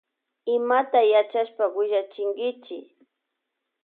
Imata yachashpa willachinkichi.